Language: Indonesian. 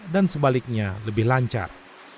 dan sebaliknya lebih lancar